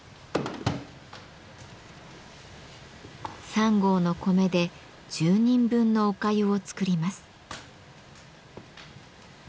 ３合の米で１０人分のお粥を作ります。